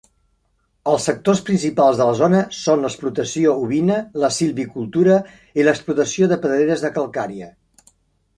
Els sectors principals de la zona són l'explotació ovina, la silvicultura i l'explotació de pedreres de calcària.